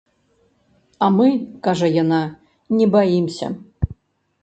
А мы, кажа яна, не баімся.